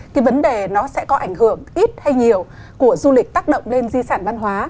cái vấn đề nó sẽ có ảnh hưởng ít hay nhiều của du lịch tác động lên di sản văn hóa